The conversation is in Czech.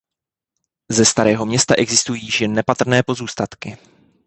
Ze starého města existují již jen nepatrné pozůstatky.